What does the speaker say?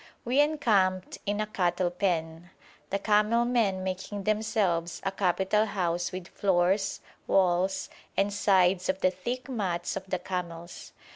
We encamped in a cattle pen, the camel men making themselves a capital house with floors, walls, and sides of the thick mats of the camels.